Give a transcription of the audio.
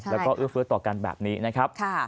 แล้วก็เอื้อเฟื้อต่อกันแบบนี้นะครับ